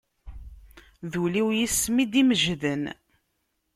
D ul-iw yes-m i d-imeǧǧden.